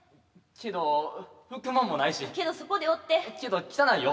けど汚いよ？